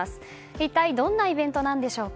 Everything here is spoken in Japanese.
一体どんなイベントなんでしょうか。